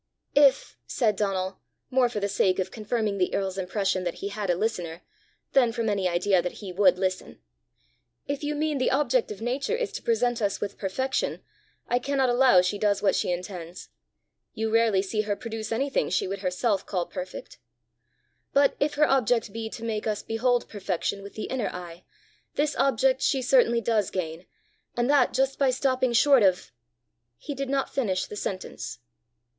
"If," said Donal, more for the sake of confirming the earl's impression that he had a listener, than from any idea that he would listen "if you mean the object of Nature is to present us with perfection, I cannot allow she does what she intends: you rarely see her produce anything she would herself call perfect. But if her object be to make us behold perfection with the inner eye, this object she certainly does gain, and that just by stopping short of " He did not finish the sentence.